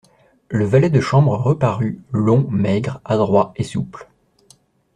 Le valet de chambre reparut, long, maigre, adroit et souple.